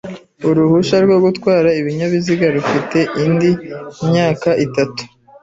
Uruhushya rwo gutwara ibinyabiziga rufite indi myaka itatu.